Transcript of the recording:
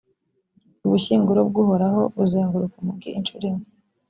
ubushyinguro bw’uhoraho buzenguruka umugi incuro imwe.